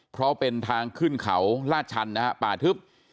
เพราะเป็นทางขึ้นเขาลาดชันนะฮะป่าทึบ